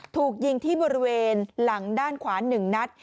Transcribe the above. ถูกยิงที่บริเวณหลังด้านขวา๑นัด